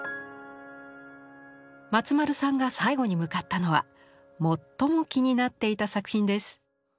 松丸さんが最後に向かったのは最も気になっていた作品です。